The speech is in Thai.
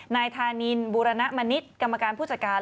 นายธานินบูรณมณิษฐ์กรรมการผู้จัดการ